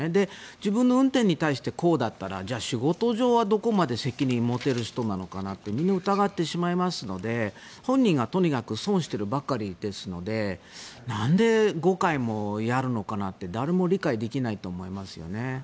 自分の運転に対してこうだったらじゃあ、仕事上は責任持てる人なのかなってみんな、疑ってしまいますので本人がとにかく損してるばかりですのでなんで、５回もやるのかなって誰も理解できないと思います。